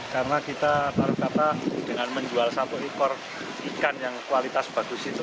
karena kita taruh kata dengan menjual satu ikor ikan yang kualitas bagus itu